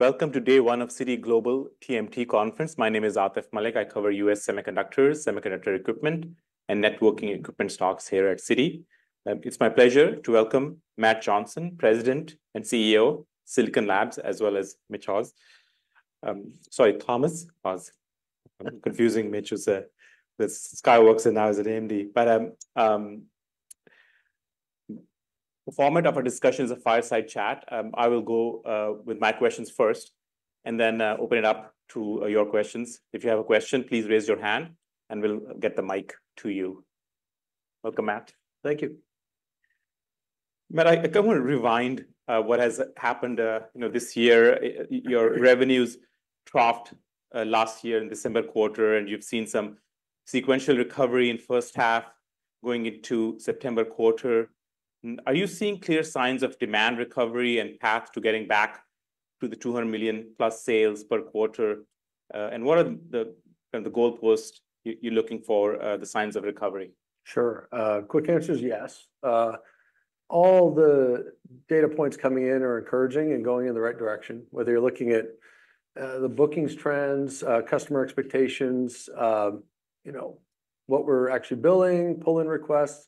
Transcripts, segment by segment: Welcome to day one of Citi Global TMT Conference. My name is Atif Malik. I cover U.S. semiconductors, semiconductor equipment, and networking equipment stocks here at Citi. It's my pleasure to welcome Matt Johnson, President and CEO, Silicon Labs, as well as Mitch Haws. Sorry, Thomas Haws. I'm confusing Mitch, who's at, with Skyworks, and now he's at AMD. But, the format of our discussion is a fireside chat. I will go with my questions first, and then open it up to your questions. If you have a question, please raise your hand, and we'll get the mic to you. Welcome, Matt. Thank you. Matt, I want to rewind what has happened, you know, this year. Your revenues troughed last year in December quarter, and you've seen some sequential recovery in first half going into September quarter. Are you seeing clear signs of demand recovery and path to getting back to the $200 million-plus sales per quarter, and what are the goalposts you're looking for, the signs of recovery? Sure. Quick answer is yes. All the data points coming in are encouraging and going in the right direction, whether you're looking at the bookings trends, customer expectations, you know, what we're actually billing, pull-in requests.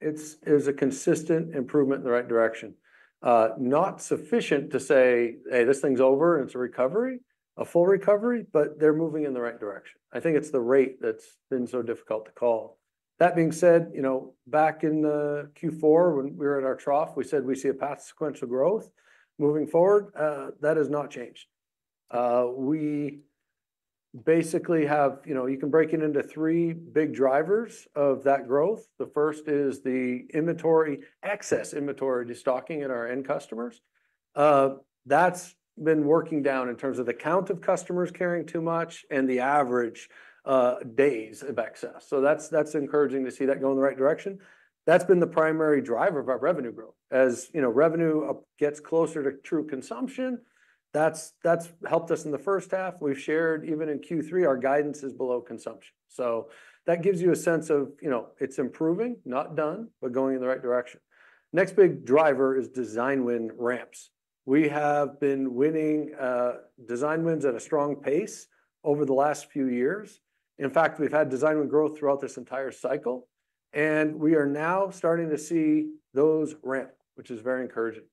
It is a consistent improvement in the right direction. Not sufficient to say, "Hey, this thing's over, and it's a recovery, a full recovery," but they're moving in the right direction. I think it's the rate that's been so difficult to call. That being said, you know, back in the Q4, when we were at our trough, we said we see a path to sequential growth. Moving forward, that has not changed. We basically have. You know, you can break it into three big drivers of that growth. The first is the inventory, excess inventory destocking at our end customers. That's been working down in terms of the count of customers carrying too much and the average days of excess. So, that's encouraging to see that go in the right direction. That's been the primary driver of our revenue growth. As you know, revenue gets closer to true consumption, that's helped us in the first half. We've shared, even in Q3, our guidance is below consumption. So, that gives you a sense of, you know, it's improving, not done, but going in the right direction. Next big driver is design win ramps. We have been winning design wins at a strong pace over the last few years. In fact, we've had design win growth throughout this entire cycle, and we are now starting to see those ramp, which is very encouraging.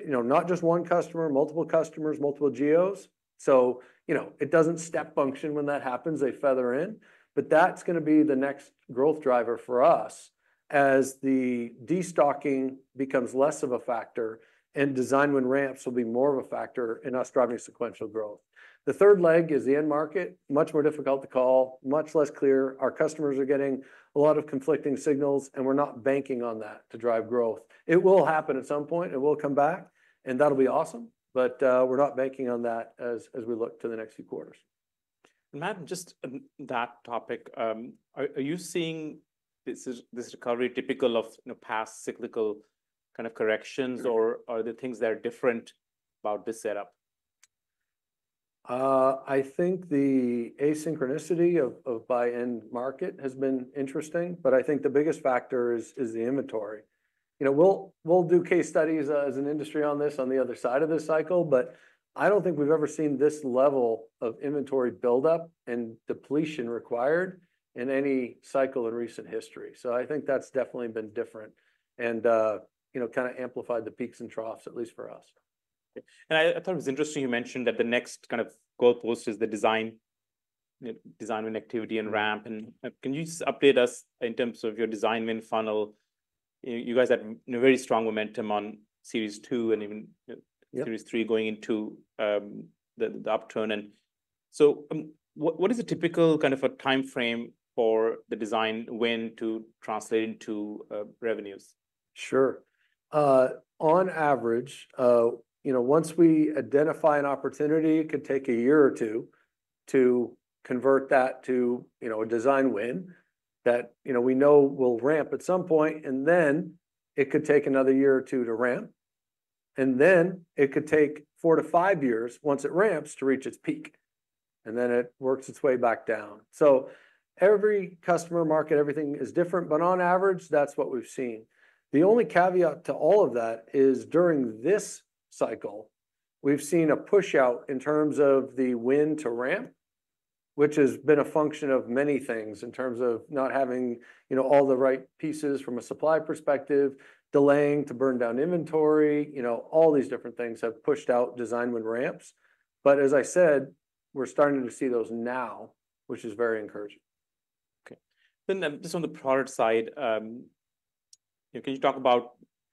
You know, not just one customer, multiple customers, multiple geos. So, you know, it doesn't step function when that happens. They feather in, but that's gonna be the next growth driver for us as the destocking becomes less of a factor and design win ramps will be more of a factor in us driving sequential growth. The third leg is the end market. Much more difficult to call, much less clear. Our customers are getting a lot of conflicting signals, and we're not banking on that to drive growth. It will happen at some point, it will come back, and that'll be awesome, but we're not banking on that as we look to the next few quarters. Matt, just on that topic, are you seeing this recovery typical of, you know, past cyclical kind of corrections? Or are there things that are different about this setup? I think the asynchronicity of buy-in market has been interesting, but I think the biggest factor is the inventory. You know, we'll do case studies as an industry on this, on the other side of this cycle, but I don't think we've ever seen this level of inventory buildup and depletion required in any cycle in recent history. So, I think that's definitely been different and, you know, kind of amplified the peaks and troughs, at least for us. I thought it was interesting you mentioned that the next kind of goalpost is the design win activity and ramp. And can you just update us in terms of your design win funnel? You guys had, you know, very strong momentum on Series 2 and even- Yeah. Series 3 going into the upturn. And so, what is a typical kind of a time frame for the design win to translate into revenues? Sure. On average, you know, once we identify an opportunity, it could take a year or two to convert that to, you know, a design win that, you know, we know will ramp at some point. And then it could take another year or two to ramp, and then it could take four to five years, once it ramps, to reach its peak, and then it works its way back down. So, every customer market, everything is different, but on average, that's what we've seen. The only caveat to all of that is during this cycle, we've seen a push-out in terms of the win to ramp, which has been a function of many things, in terms of not having, you know, all the right pieces from a supply perspective, delaying to burn down inventory. You know, all these different things have pushed out design win ramps. But as I said, we're starting to see those now, which is very encouraging. Okay. Then, just on the product side, can you talk about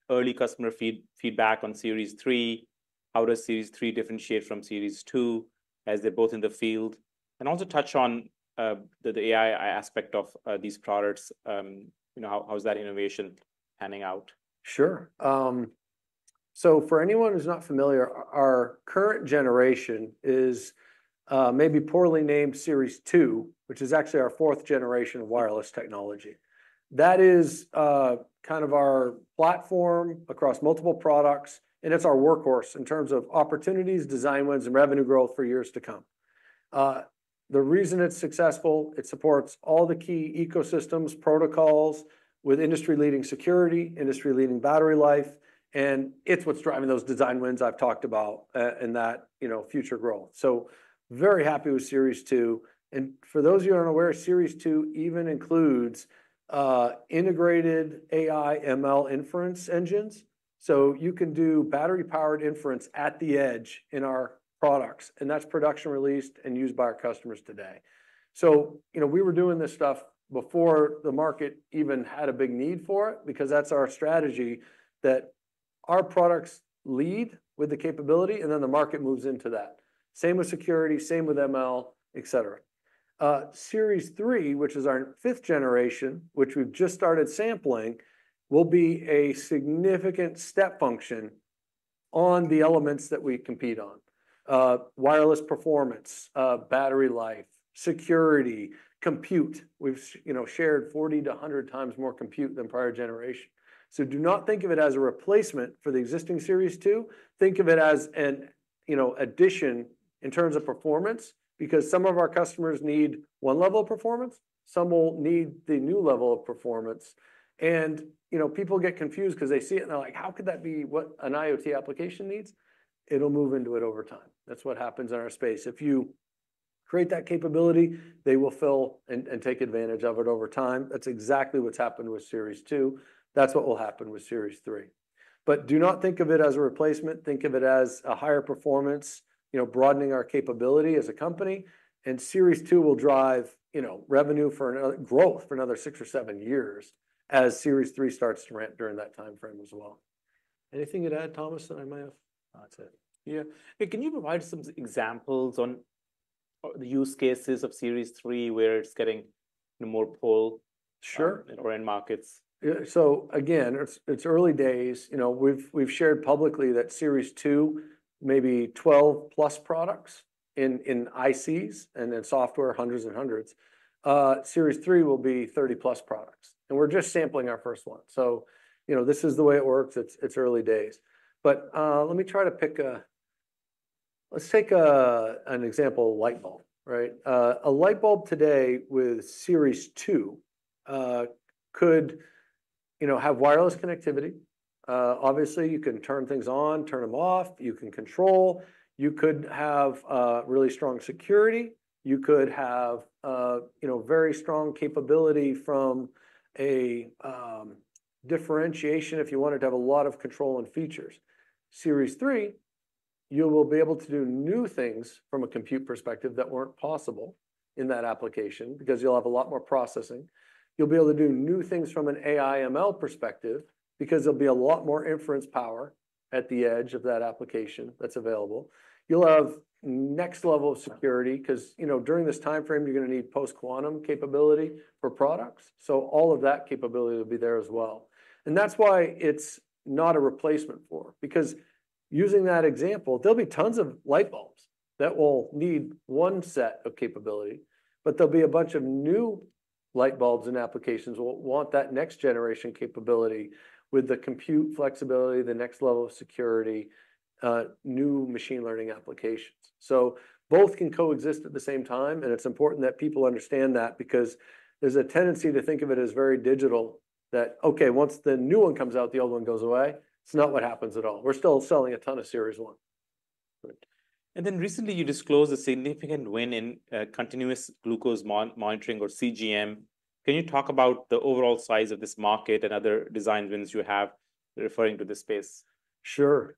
early customer feedback on Series 3? How does Series 3 differentiate from Series 2, as they're both in the field? And also touch on the AI aspect of these products. You know, how is that innovation panning out? Sure. So for anyone who's not familiar, our current generation is maybe poorly named Series 2, which is actually our fourth generation of wireless technology. That is kind of our platform across multiple products, and it's our workhorse in terms of opportunities, design wins, and revenue growth for years to come. The reason it's successful, it supports all the key ecosystems, protocols, with industry-leading security, industry-leading battery life, and it's what's driving those design wins I've talked about in that, you know, future growth. So very happy with Series 2, and for those who aren't aware, Series 2 even includes integrated AI/ML inference engines. So, you can do battery-powered inference at the edge in our products, and that's production released and used by our customers today. So, you know, we were doing this stuff before the market even had a big need for it, because that's our strategy, that our products lead with the capability, and then the market moves into that. Same with Security, same with ML, et cetera. Series 3, which is our fifth generation, which we've just started sampling, will be a significant step function on the elements that we compete on. Wireless performance, battery life, security, compute. We've, you know, shared 40-100 times more compute than prior generations. So do not think of it as a replacement for the existing Series 2. Think of it as an, you know, addition in terms of performance, because some of our customers need one level of performance, some will need the new level of performance. And, you know, people get confused 'cause they see it and they're like: "How could that be what an IoT application needs?" It'll move into it over time. That's what happens in our space. If you create that capability, they will fill and take advantage of it over time. That's exactly what's happened with Series 2. That's what will happen with Series 3. But do not think of it as a replacement. Think of it as a higher performance, you know, broadening our capability as a company, and Series 2 will drive, you know, growth for another six or seven years, as Series 3 starts to ramp during that timeframe as well. Anything to add, Thomas, that I may have- That's it. Yeah. Hey, can you provide some examples on the use cases of Series 3, where it's getting more pull- Sure. or in markets? Yeah, so again, it's early days. You know, we've shared publicly that Series 2, maybe 12+ products in ICs, and in software, hundreds and hundreds. Series 3 will be 30+ products, and we're just sampling our first one. So, you know, this is the way it works. It's early days. But, let me try to pick. Let's take an example, a light bulb, right? A light bulb today with Series 2 could, you know, have wireless connectivity. Obviously, you can turn things on, turn them off. You can control. You could have really strong security. You could have, you know, very strong capability from a differentiation if you wanted to have a lot of control and features. Series 3, you will be able to do new things from a compute perspective that weren't possible in that application, because you'll have a lot more processing. You'll be able to do new things from an AI/ML perspective, because there'll be a lot more inference power at the edge of that application that's available. You'll have next level of security, 'cause, you know, during this timeframe, you're gonna need post-quantum capability for products, so all of that capability will be there as well. And that's why it's not a replacement for, because using that example, there'll be tons of light bulbs that will need one set of capability, but there'll be a bunch of new light bulbs and applications will want that next-generation capability with the compute flexibility, the next level of security, new machine learning applications. So both can coexist at the same time, and it's important that people understand that, because there's a tendency to think of it as very digital, that, okay, once the new one comes out, the old one goes away. It's not what happens at all. We're still selling a ton of Series 1. Great. And then recently, you disclosed a significant win in continuous glucose monitoring, or CGM. Can you talk about the overall size of this market and other design wins you have, referring to this space? Sure,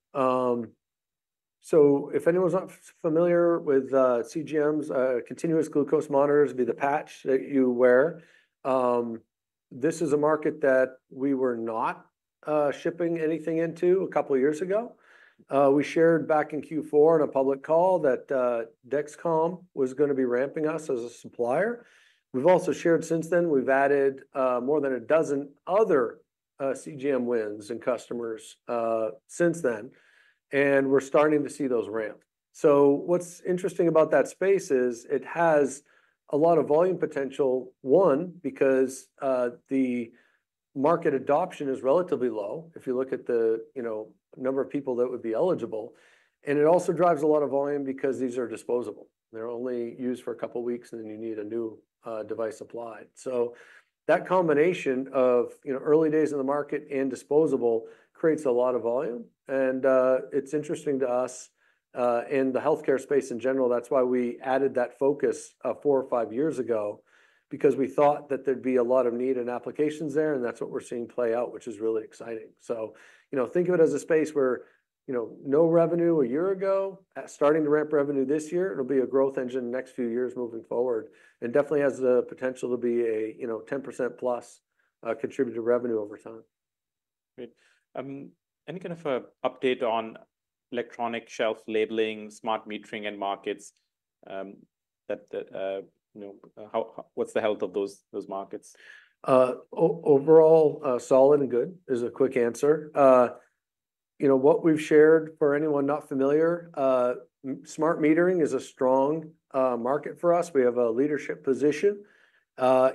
so if anyone's not familiar with CGMs, continuous glucose monitors, it'd be the patch that you wear. This is a market that we were not shipping anything into a couple of years ago. We shared back in Q4, on a public call, that Dexcom was gonna be ramping us as a supplier. We've also shared since then, we've added more than a dozen other CGM wins and customers since then, and we're starting to see those ramp, so what's interesting about that space is it has a lot of volume potential: one, because the market adoption is relatively low, if you look at the you know, number of people that would be eligible, and it also drives a lot of volume because these are disposable. They're only used for a couple of weeks, and then you need a new device applied. So, that combination of, you know, early days in the market and disposable, creates a lot of volume, and it's interesting to us in the healthcare space in general. That's why we added that focus four or five years ago, because we thought that there'd be a lot of need and applications there, and that's what we're seeing play out, which is really exciting. So, you know, think of it as a space where, you know, no revenue a year ago, starting to ramp revenue this year. It'll be a growth engine the next few years moving forward, and definitely has the potential to be a, you know, 10%+ contributor revenue over time. Great. Any kind of a update on electronic shelf labeling, smart metering in markets, that you know, how, what's the health of those markets? Overall, solid and good, is a quick answer. You know, what we've shared, for anyone not familiar, smart metering is a strong market for us. We have a leadership position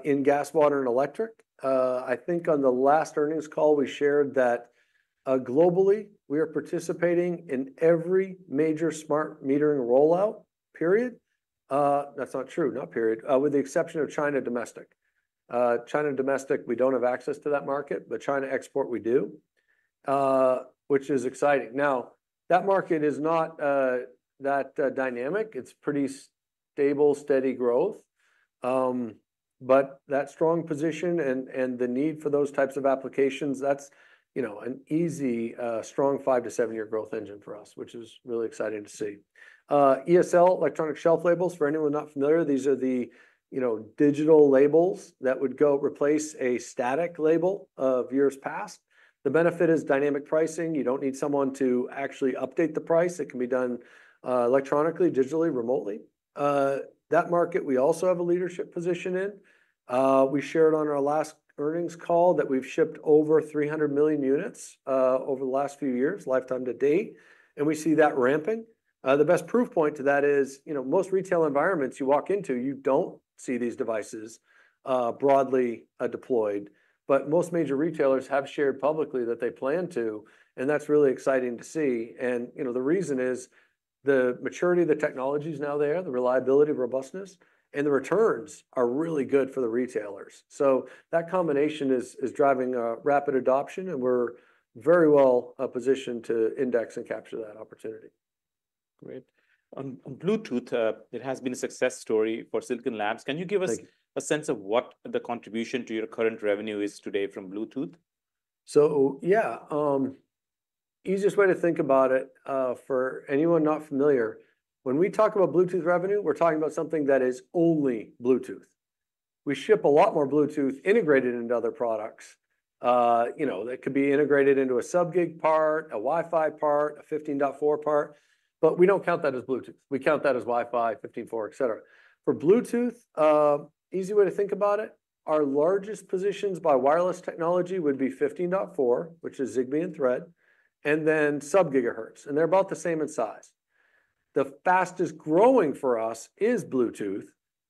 in gas, water, and electric. I think on the last earnings call, we shared that globally, we are participating in every major smart metering rollout, period. That's not true, not period. With the exception of China domestic. China domestic, we don't have access to that market, but China export we do, which is exciting. Now, that market is not that dynamic. It's pretty stable, steady growth. But that strong position and the need for those types of applications, that's, you know, an easy strong five to seven-year growth engine for us, which is really exciting to see. ESL, electronic shelf labels, for anyone not familiar, these are the, you know, digital labels that would go replace a static label of years past. The benefit is dynamic pricing. You don't need someone to actually update the price. It can be done, electronically, digitally, remotely. That market, we also have a leadership position in. We shared on our last earnings call that we've shipped over 300,000,000 units, over the last few years, lifetime to date, and we see that ramping. The best proof point to that is, you know, most retail environments you walk into, you don't see these devices, broadly, deployed. But most major retailers have shared publicly that they plan to, and that's really exciting to see. You know, the reason is the maturity of the technology is now there, the reliability, robustness, and the returns are really good for the retailers. So, that combination is driving rapid adoption, and we're very well positioned to index and capture that opportunity. Great. On Bluetooth, it has been a success story for Silicon Labs. Thank you. Can you give us a sense of what the contribution to your current revenue is today from Bluetooth? So, yeah. Easiest way to think about it, for anyone not familiar, when we talk about Bluetooth revenue, we're talking about something that is only Bluetooth. We ship a lot more Bluetooth integrated into other products, you know, that could be integrated into a sub-GHz part, a Wi-Fi part, a 15.4 part, but we don't count that as Bluetooth. We count that as Wi-Fi, 15.4, et cetera. For Bluetooth, easy way to think about it, our largest positions by wireless technology would be 15.4, which is Zigbee and Thread, and then sub-GHz, and they're about the same in size. The fastest-growing for us is Bluetooth,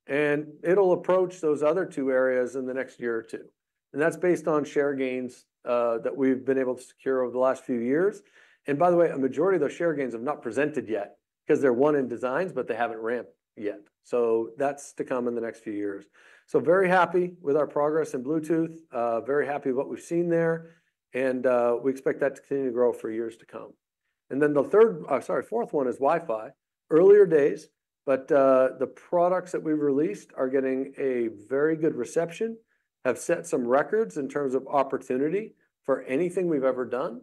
and it'll approach those other two areas in the next year or two, and that's based on share gains, that we've been able to secure over the last few years. And by the way, a majority of those share gains have not presented yet because they're won in designs, but they haven't ramped yet. So, that's to come in the next few years. So very happy with our progress in Bluetooth. Very happy with what we've seen there, and we expect that to continue to grow for years to come. And then the third, sorry, fourth one is Wi-Fi. Earlier days, but the products that we've released are getting a very good reception, have set some records in terms of opportunity for anything we've ever done,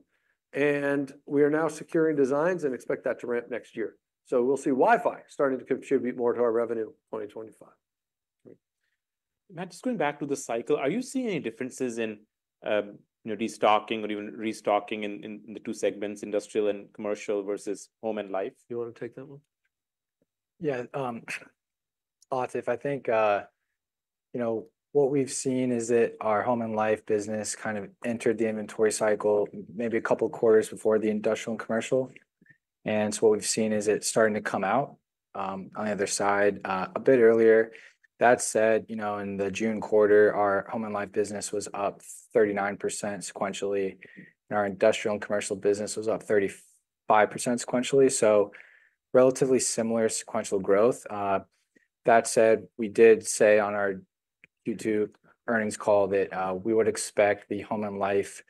and we are now securing designs and expect that to ramp next year. So, we'll see Wi-Fi starting to contribute more to our revenue in 2025. Great. Matt, just going back to the cycle, are you seeing any differences in, you know, destocking or even restocking in the two segments, Industrial and Commercial versus Home and Life? You want to take that one? Yeah, Atif, I think, you know, what we've seen is that our Home and Life business kind of entered the inventory cycle maybe a couple of quarters before the Industrial and Commercial. And so, what we've seen is it starting to come out, on the other side, a bit earlier. That said, you know, in the June quarter, our Home and Life business was up 39% sequentially, and our Industrial and Commercial business was up 35% sequentially, so relatively similar sequential growth. That said, we did say on our Q2 earnings call that, we would expect the Home and Life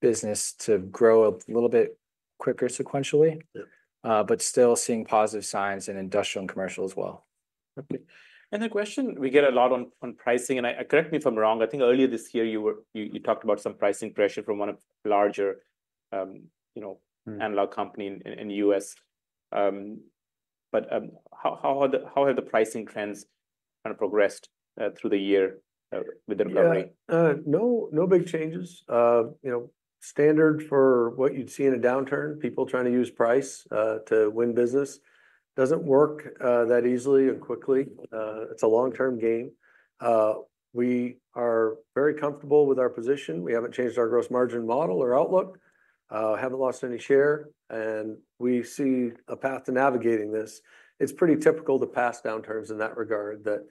business to grow a little bit quicker sequentially. Yeah. But still seeing positive signs in industrial and commercial as well. Okay. And the question we get a lot on pricing, and correct me if I'm wrong, I think earlier this year, you talked about some pricing pressure from one of the larger, you know- Mm. Analog company in the U.S., but how have the pricing trends kind of progressed through the year with the recovery? Yeah. No, no big changes. You know, standard for what you'd see in a downturn, people trying to use price to win business. Doesn't work that easily and quickly. Mm. It's a long-term game. We are very comfortable with our position. We haven't changed our gross margin model or outlook, haven't lost any share, and we see a path to navigating this. It's pretty typical to pass downturns in that regard that,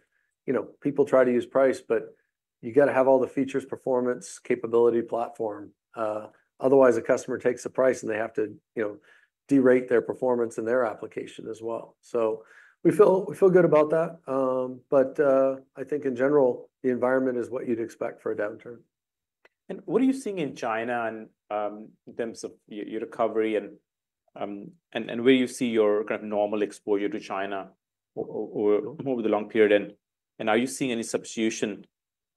you know, people try to use price, but you got to have all the features, performance, capability, platform. Otherwise, the customer takes the price, and they have to, you know, de-rate their performance and their application as well. So, we feel good about that, but I think in general, the environment is what you'd expect for a downturn. What are you seeing in China in terms of your recovery and where you see your kind of normal exposure to China over the long period? And are you seeing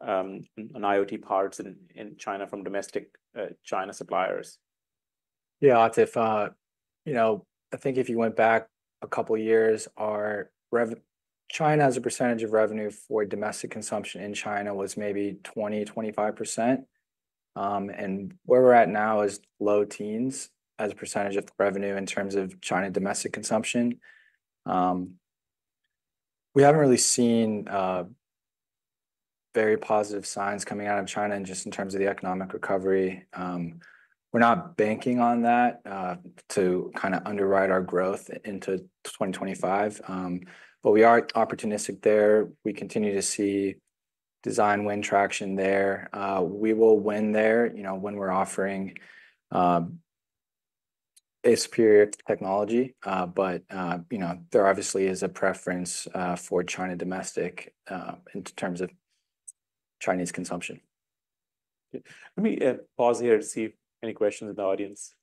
any substitution on IoT parts in China from domestic China suppliers? Yeah, Atif, you know, I think if you went back a couple of years, our revenue China, as a percentage of revenue for domestic consumption in China, was maybe 20-25%. Where we're at now is low teens as a percentage of the revenue in terms of China domestic consumption. We haven't really seen very positive signs coming out of China and just in terms of the economic recovery. We're not banking on that to kind of underwrite our growth into 2025. But we are opportunistic there. We continue to see design win traction there. We will win there, you know, when we're offering a superior technology. But you know, there obviously is a preference for China domestic in terms of Chinese consumption. Let me pause here to see if any questions in the audience.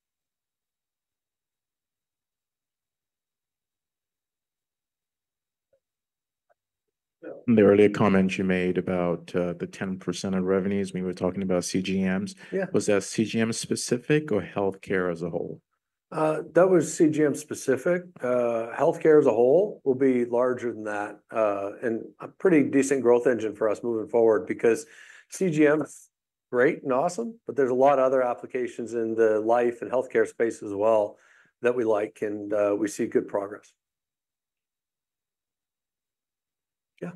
The earlier comments you made about the 10% of revenues when we were talking about CGMs- Yeah. Was that CGM specific or healthcare as a whole? That was CGM specific. Healthcare as a whole will be larger than that, and a pretty decent growth engine for us moving forward, because CGM is great and awesome, but there's a lot of other applications in the life and healthcare space as well that we like, and we see good progress. Yeah,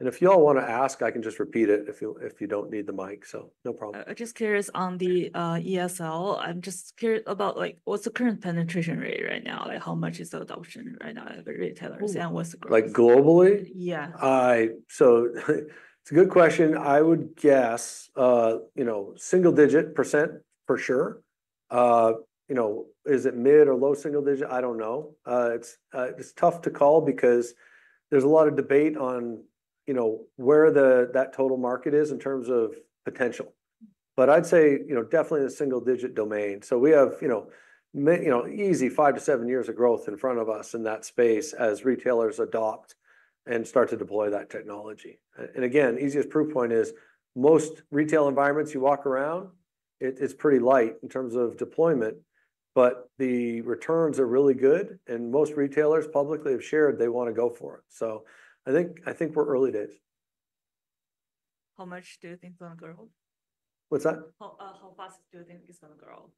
and if y'all want to ask, I can just repeat it if you, if you don't need the mic, so no problem. I'm just curious on the, ESL. I'm just curious about, like, what's the current penetration rate right now? Like, how much is the adoption right now of the retailers, and what's the growth- Like, globally? Yeah. So, it's a good question. I would guess, you know, single-digit percent for sure. You know, is it mid or low single-digit? I don't know. It's tough to call because there's a lot of debate on, you know, where that total market is in terms of potential. But I'd say, you know, definitely in the single-digit domain. So we have, you know, easy five to seven years of growth in front of us in that space as retailers adopt and start to deploy that technology. And again, easiest proof point is most retail environments you walk around, it is pretty light in terms of deployment, but the returns are really good, and most retailers publicly have shared they want to go for it. So, I think we're early days. How much do you think it's gonna grow? What's that? How fast do you think it's gonna grow?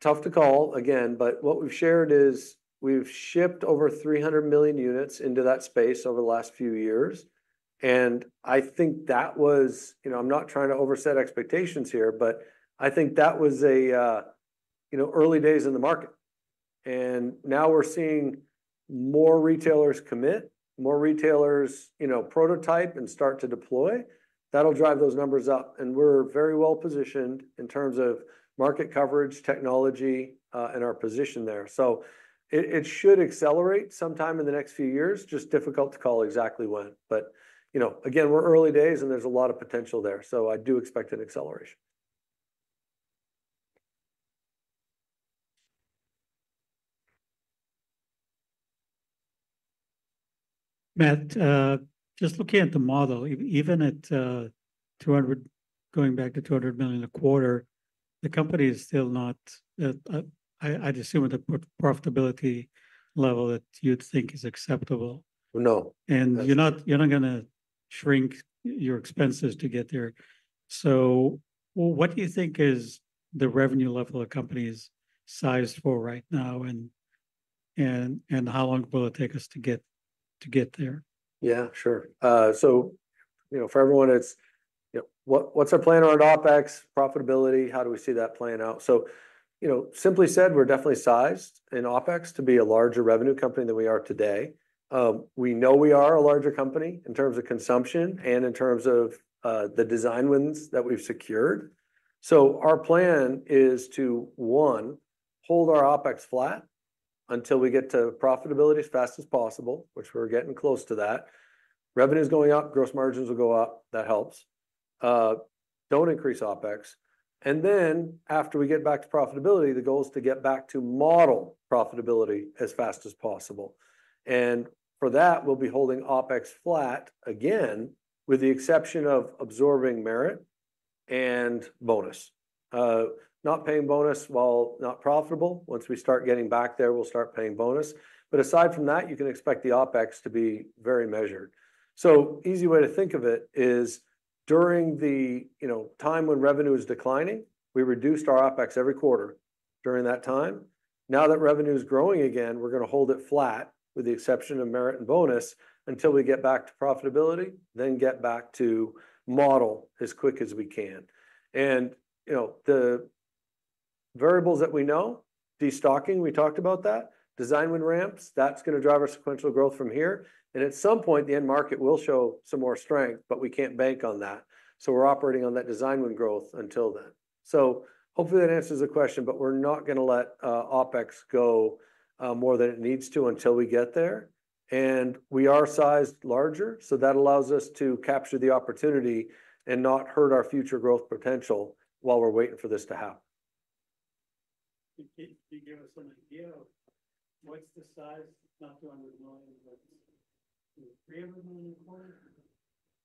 Tough to call again, but what we've shared is we've shipped over 300,000,000 units into that space over the last few years, and I think that was, you know, I'm not trying to overset expectations here, but I think that was a, you know, early days in the market, and now we're seeing more retailers commit, more retailers, you know, prototype and start to deploy. That'll drive those numbers up, and we're very well-positioned in terms of market coverage, technology, and our position there. So, it should accelerate sometime in the next few years. Just difficult to call exactly when, but, you know, again, we're early days, and there's a lot of potential there. So, I do expect an acceleration. Matt, just looking at the model, even at $200, going back to $200 million a quarter, the company is still not at, I, I'd assume, at a profitability level that you'd think is acceptable. No. You're not gonna shrink your expenses to get there. What do you think is the revenue level the company is sized for right now, and how long will it take us to get there? Yeah, sure. So, you know, for everyone, it's, you know, what, what's our plan around OpEx, profitability? How do we see that playing out? So, you know, simply said, we're definitely sized in OpEx to be a larger revenue company than we are today. We know we are a larger company in terms of consumption and in terms of the design wins that we've secured. So our plan is to, one, hold our OpEx flat until we get to profitability as fast as possible, which we're getting close to that. Revenue's going up, gross margins will go up. That helps. Don't increase OpEx. And then, after we get back to profitability, the goal is to get back to model profitability as fast as possible. And for that, we'll be holding OpEx flat again, with the exception of absorbing merit and bonus. Not paying bonus while not profitable. Once we start getting back there, we'll start paying bonus. But aside from that, you can expect the OpEx to be very measured. So, easy way to think of it is, during the you know time when revenue is declining, we reduced our OpEx every quarter during that time. Now that revenue is growing again, we're gonna hold it flat, with the exception of merit and bonus, until we get back to profitability, then get back to model as quick as we can. And, you know, the variables that we know, destocking, we talked about that. Design win ramps, that's gonna drive our sequential growth from here, and at some point, the end market will show some more strength, but we can't bank on that, so we're operating on that design win growth until then. So, hopefully that answers the question, but we're not gonna let OpEx go more than it needs to until we get there. And we are sized larger, so that allows us to capture the opportunity and not hurt our future growth potential while we're waiting for this to happen. Can you give us an idea of what's the size? Not $200 million, but $300 million a quarter?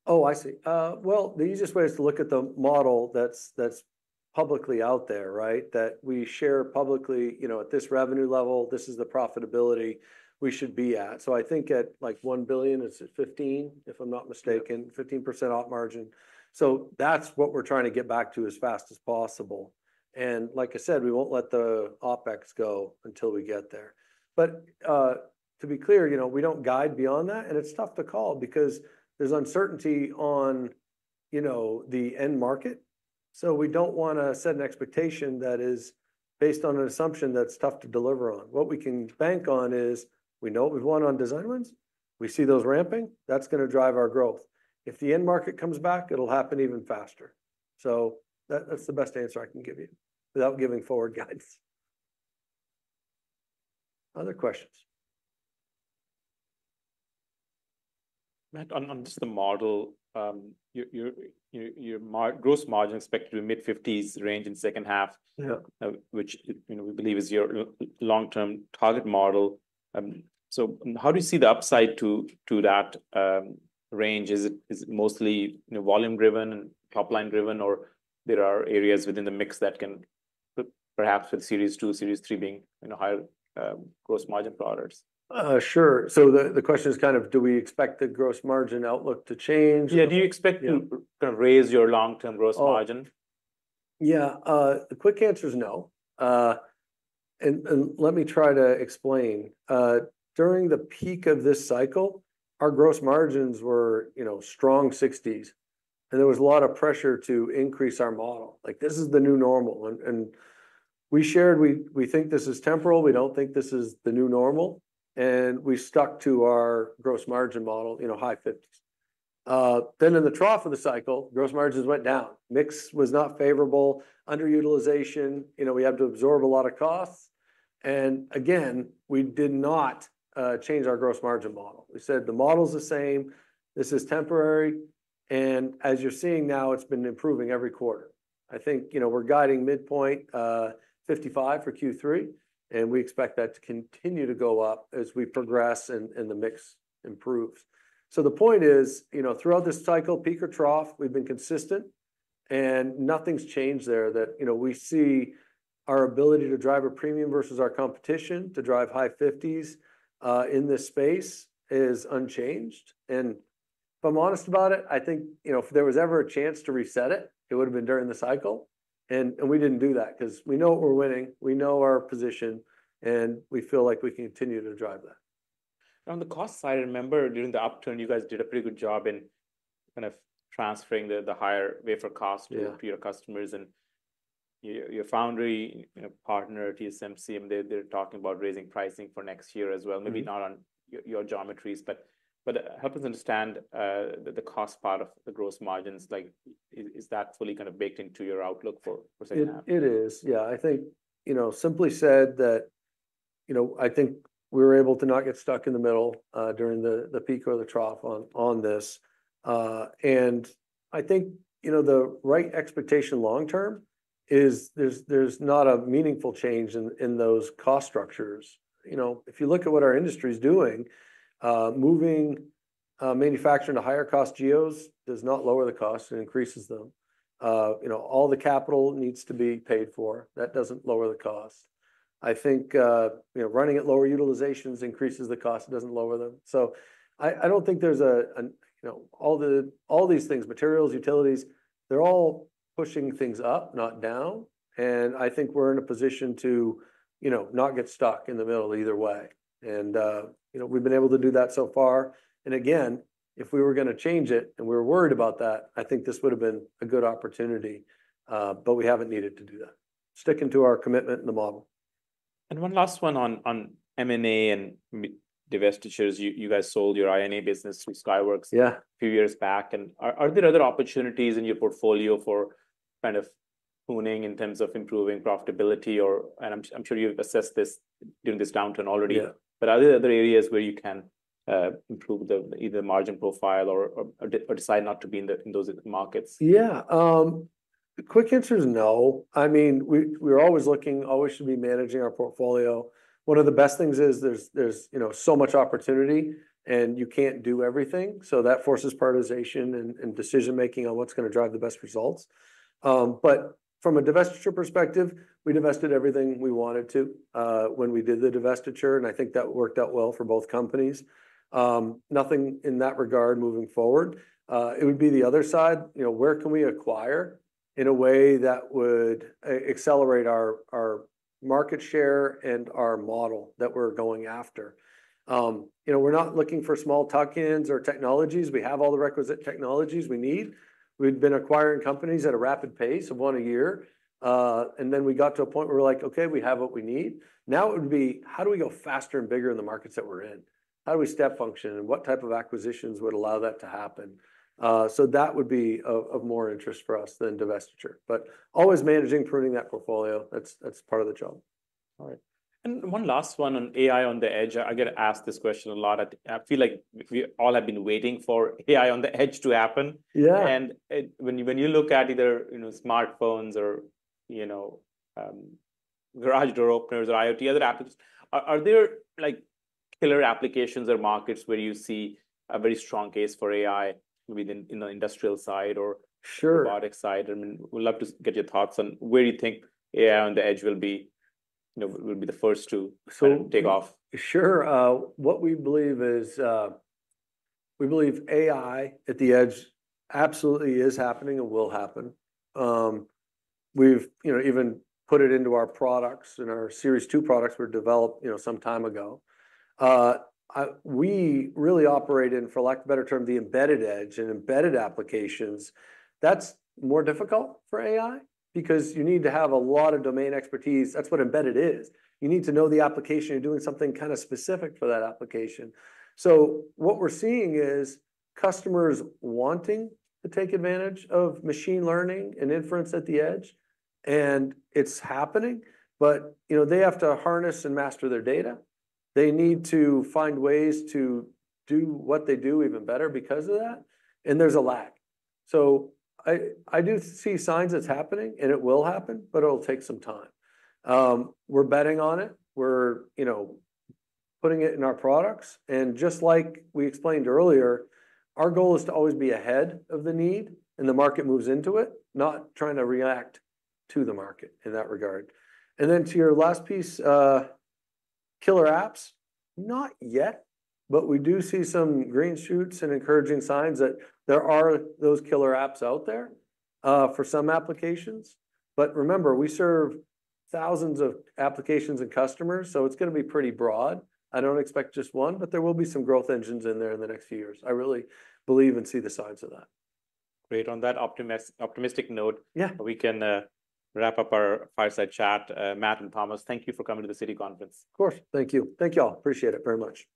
Oh, I see. Well, the easiest way is to look at the model that's publicly out there, right? That we share publicly. You know, at this revenue level, this is the profitability we should be at. So I think at, like, $1 billion, it's at 15%, if I'm not mistaken. Yeah. 15% Op margin. So that's what we're trying to get back to as fast as possible, and like I said, we won't let the OpEx go until we get there. But, to be clear, you know, we don't guide beyond that, and it's tough to call because there's uncertainty on, you know, the end market, so we don't wanna set an expectation that is based on an assumption that's tough to deliver on. What we can bank on is, we know what we've won on design wins. We see those ramping, that's gonna drive our growth. If the end market comes back, it'll happen even faster. So that, that's the best answer I can give you without giving forward guides. Other questions? Matt, on just the model, your gross margin expected to mid-fifties range in second half? Yeah. Which, you know, we believe is your long-term target model. So, how do you see the upside to that range? Is it mostly, you know, volume-driven and top-line driven, or there are areas within the mix that can perhaps with Series 2, Series 3 being, you know, higher gross margin products? Sure. So, the question is kind of: Do we expect the gross margin outlook to change? Yeah. Do you expect to raise your long-term gross margin? Oh, yeah, the quick answer is no. And let me try to explain. During the peak of this cycle, our gross margins were, you know, strong 60s, and there was a lot of pressure to increase our model, like, this is the new normal. And we shared we think this is temporary, we don't think this is the new normal, and we stuck to our gross margin model, you know, high 50s. Then in the trough of the cycle, gross margins went down. Mix was not favorable, underutilization, you know, we had to absorb a lot of costs, and again, we did not change our gross margin model. We said the model's the same, this is temporary, and as you're seeing now, it's been improving every quarter. I think, you know, we're guiding midpoint 55 for Q3, and we expect that to continue to go up as we progress and the mix improves, so the point is, you know, throughout this cycle, peak or trough, we've been consistent, and nothing's changed there, that you know, we see our ability to drive a premium versus our competition, to drive high 50s in this space is unchanged, and if I'm honest about it, I think, you know, if there was ever a chance to reset it, it would've been during the cycle, and we didn't do that 'cause we know what we're winning, we know our position, and we feel like we can continue to drive that. On the cost side, I remember during the upturn, you guys did a pretty good job in kind of transferring the higher wafer cost. Yeah. To your customers, and your foundry, you know, partner, TSMC, they're talking about raising pricing for next year as well. Mm-hmm. Maybe not on your geometries, but help us understand the cost part of the gross margins. Like, is that fully kind of baked into your outlook for second half? It is. Yeah, I think, you know, simply said that, you know, I think we were able to not get stuck in the middle during the peak or the trough on this. And I think, you know, the right expectation long term is there's not a meaningful change in those cost structures. You know, if you look at what our industry's doing, moving manufacturing to higher cost geos does not lower the cost, it increases them. You know, all the capital needs to be paid for, that doesn't lower the cost. I think, you know, running at lower utilizations increases the cost, it doesn't lower them. So I don't think there's a, an... You know, all the, all these things, materials, utilities, they're all pushing things up, not down, and I think we're in a position to, you know, not get stuck in the middle either way, and you know, we've been able to do that so far, and again, if we were gonna change it, and we were worried about that, I think this would've been a good opportunity, but we haven't needed to do that. Sticking to our commitment and the model. One last one on M&A and divestitures. You guys sold your I&A business to Skyworks. Yeah. A few years back. Are there other opportunities in your portfolio for kind of honing in terms of improving profitability or, and I'm sure you've assessed this during this downturn already. Yeah. But are there other areas where you can improve either the margin profile or decide not to be in those markets? Yeah. The quick answer is no. I mean, we, we're always looking, always should be managing our portfolio. One of the best things is there's, you know, so much opportunity, and you can't do everything, so that forces prioritization and decision-making on what's gonna drive the best results, but from a divestiture perspective, we divested everything we wanted to when we did the divestiture, and I think that worked out well for both companies. Nothing in that regard moving forward. It would be the other side, you know, where can we acquire in a way that would accelerate our market share and our model that we're going after? You know, we're not looking for small tuck-ins or technologies. We have all the requisite technologies we need. We've been acquiring companies at a rapid pace of one a year. And then we got to a point where we're like, okay, we have what we need. Now, it would be, how do we go faster and bigger in the markets that we're in? How do we step function, and what type of acquisitions would allow that to happen? So, that would be of more interest for us than divestiture, but always managing, pruning that portfolio, that's part of the job. All right. And one last one on AI on the Edge. I get asked this question a lot. I feel like we all have been waiting for AI on the Edge to happen. Yeah. And when you look at either, you know, smartphones or, you know, garage door openers or IoT other apps, are there, like, killer applications or markets where you see a very strong case for AI within the industrial side or- Sure. Robotic side? I mean, we'd love to get your thoughts on where you think AI on the Edge will be, you know, will be the first to- So- kind of take off. Sure, what we believe is, we believe AI at the Edge absolutely is happening and will happen. We've, you know, even put it into our products, and our Series 2 products were developed, you know, some time ago. We really operate in, for lack of a better term, the embedded edge and embedded applications. That's more difficult for AI because you need to have a lot of domain expertise. That's what embedded is. You need to know the application. You're doing something kind of specific for that application. So, what we're seeing is customers wanting to take advantage of machine learning and inference at the edge, and it's happening, but, you know, they have to harness and master their data. They need to find ways to do what they do even better because of that, and there's a lag. So, I do see signs it's happening, and it will happen, but it'll take some time. We're betting on it. We're, you know, putting it in our products, and just like we explained earlier, our goal is to always be ahead of the need, and the market moves into it, not trying to react to the market in that regard. And then to your last piece, killer apps? Not yet, but we do see some green shoots and encouraging signs that there are those killer apps out there, for some applications. But remember, we serve thousands of applications and customers, so it's gonna be pretty broad. I don't expect just one, but there will be some growth engines in there in the next few years. I really believe and see the signs of that. Great. On that optimistic note. Yeah. We can wrap up our fireside chat. Matt and Thomas, thank you for coming to the Citi Conference. Of course. Thank you. Thank you all. Appreciate it very much.